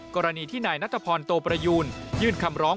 กรณีที่นายนัทพรโตประยูนยื่นคำร้อง